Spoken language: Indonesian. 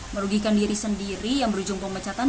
merugikan diri sendiri yang berujung pemecatan